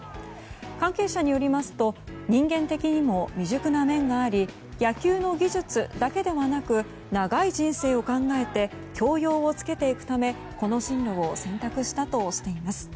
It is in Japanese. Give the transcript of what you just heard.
関係者によりますと人間的にも未熟な面があり野球の技術だけではなく長い人生を考えて教養をつけていくためこの進路を選択したとしています。